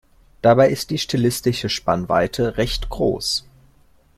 Dabei ist die stilistische Spannweite recht groß.